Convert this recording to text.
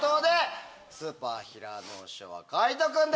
スーパー平野賞は海人君です！